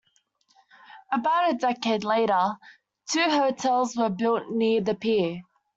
About a decade later, two hotels were built near the pier.